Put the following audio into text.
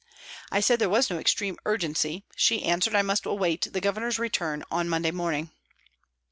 I said there was no extreme urgency ; she answered I must await the Governor's return on Monday morning.